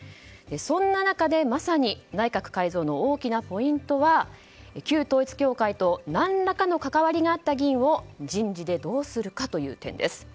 そんな中でまさに内閣改造の大きなポイントは旧統一教会と何らかの関わりがあった議員を人事でどうするかという点です。